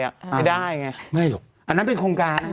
ไม่ได้ไงไม่หรอกอันนั้นเป็นโครงการ